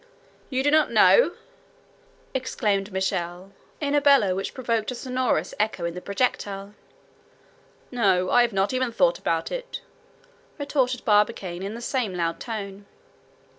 "You do not know!" exclaimed Michel, with a bellow which provoked a sonorous echo in the projectile. "No, I have not even thought about it," retorted Barbicane, in the same loud tone.